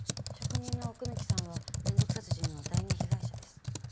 職人の奥貫さんは連続殺人の第２被害者です。